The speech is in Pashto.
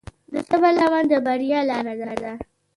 د صبر لمن د بریا لاره ده.